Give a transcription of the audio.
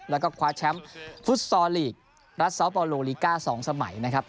แล้วก็คว้าแชมป์ฟุตซอลลีกรัสซาวปอโลลิก้า๒สมัยนะครับ